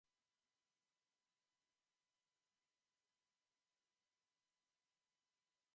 Ez dakigu nola ikasi zuen margotzen.